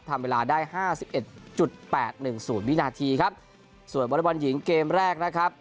ทำเวลาได้ห้าสิบเอ็ดจุดแปดหนึ่งศูนย์วินาทีครับส่วนบอเล็กบอลหญิงเกมแรกนะครับ